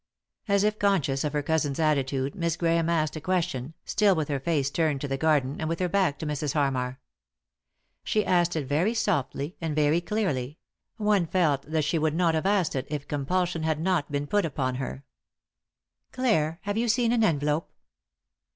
As if conscious of her cousin's attitude Miss Grahame asked U7 3i 9 iii^d by Google THE INTERRUPTED KISS a question, still with her face turned to the garden, and with her back to Mrs. Harmar. She asked it very softly, and very clearly ; one felt that she would not have asked it if compulsion had not been put upon her. " Clare, have you seen an envelope